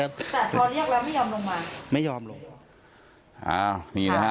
แต่พอเรียกแล้วไม่ยอมลงมาไม่ยอมลงอ้าวนี่นะฮะ